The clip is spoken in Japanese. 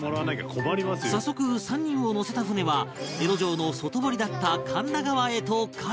早速３人を乗せた船は江戸城の外堀だった神田川へと舵を切る